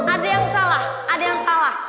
ada yang salah ada yang salah